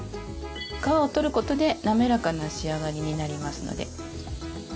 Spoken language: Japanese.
皮を取ることで滑らかな仕上がりになりますので。